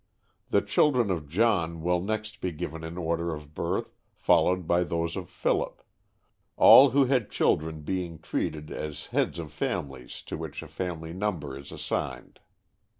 The children of John will next be given in order of birth, followed by those of Philip, all who had children being treated as heads of families to which a family number is assigned.